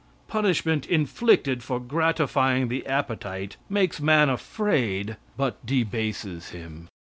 Punishment inflicted for gratifying the appetite makes man afraid, but debases him.